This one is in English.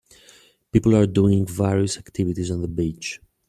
People are doing various activities on the beach.